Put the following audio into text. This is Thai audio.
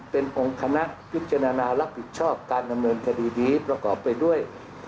เป็นองค์คณะพิจารณารับผิดชอบการดำเนินคดีนี้ประกอบไปด้วย